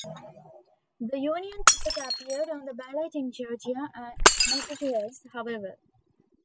The Union ticket appeared on the ballot in Georgia and Massachusetts, however.